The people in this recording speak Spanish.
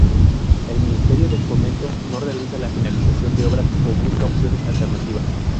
El Ministerio de Fomento no realiza la finalización de obras o busca opciones alternativas.